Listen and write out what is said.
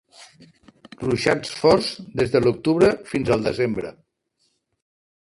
Ruixats forts des de l'octubre fins al desembre.